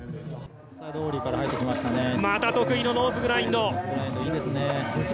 また得意のノーズグラインド。